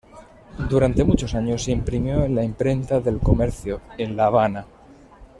Durante muchos años se imprimió en la Imprenta del Comercio, en La Habana.